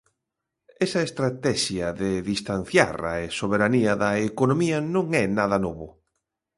Esa estratexia de distanciar a soberanía da economía non é nada novo.